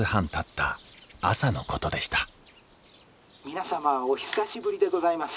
「皆様お久しぶりでございます。